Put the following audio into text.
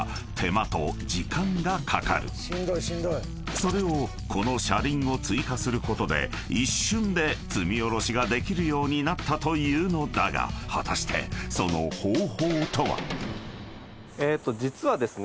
［それをこの車輪を追加することで一瞬で積み降ろしができるようになったというのだが果たしてその方法とは？］実はですね